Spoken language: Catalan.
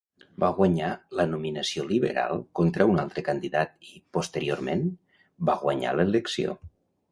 Va guanyar la nominació Liberal contra un altre candidat i, posteriorment, va guanyar l'elecció.